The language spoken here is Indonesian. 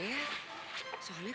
peralatannya kita bawa ke atas aja ya